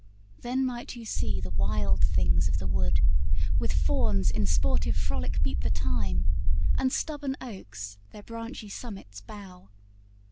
Then might you see the wild things of the wood, With Fauns in sportive frolic beat the time, And stubborn oaks their branchy summits bow.